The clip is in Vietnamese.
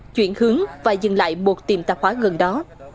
chuyển hướng và dừng lại một tiềm tạp hóa gần đó